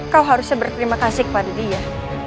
kau harusnya berterima kasih kepada dia